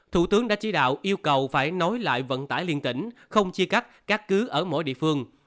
thủ tướng đã chỉ đạo yêu cầu phải nối lại vận tải liên tỉnh không chia cắt các cứ ở mỗi địa phương